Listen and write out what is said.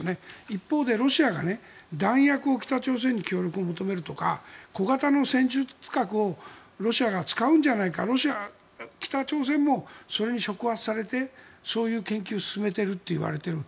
一方でロシアが弾薬を北朝鮮に協力を求めるとか小型の戦術核をロシアが使うんじゃないか北朝鮮もそれに触発されてそういう研究を進めているといわれている。